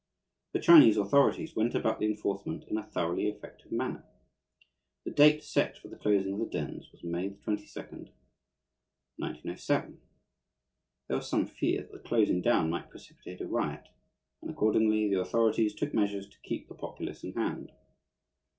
The Chinese authorities went about the enforcement in a thoroughly effective manner. The date set for the closing of the dens was May 22, 1907. There was some fear that the closing down might precipitate a riot, and, accordingly, the authorities took measures to keep the populace in hand.